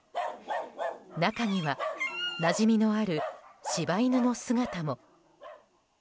中には、なじみのある柴犬の姿も。